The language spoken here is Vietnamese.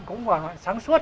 cũng sáng suốt